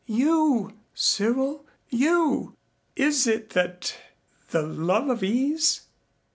You, Cyril, you! Is it that the love of ease?